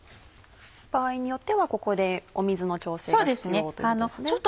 場合によってはここで水の調整が必要ということですね。